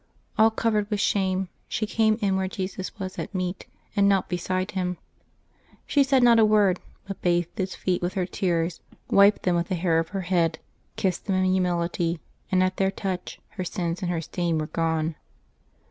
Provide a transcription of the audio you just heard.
All covered with shame, she came in where Jesus was at meat, and knelt behind him. She said not a word, but bathed His feet with her tears, wiped them with the hair of her head, kissed them in humility, and at their touch her sins and her stain were gone.